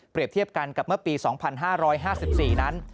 เทียบกันกับเมื่อปี๒๕๕๔นั้น